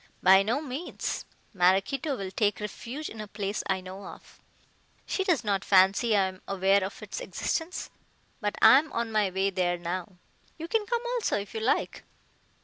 "By no means. Maraquito will take refuge in a place I know of. She does not fancy I am aware of its existence. But I am on my way there now. You can come also if you like."